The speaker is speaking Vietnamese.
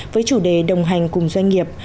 với chủ đề đồng hành cùng doanh nghiệp